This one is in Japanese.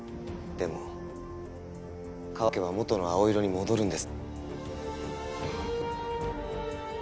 でも乾けば元の青色に戻るんです。